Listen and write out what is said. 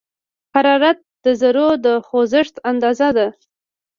حرارت د ذرّو د خوځښت اندازه ده.